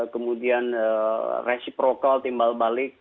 kemudian reciprocal timbal balik